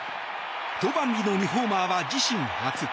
登板日の２ホーマーは自身初。